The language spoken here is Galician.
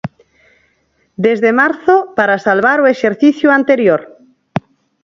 Desde marzo para salvar o exercicio anterior.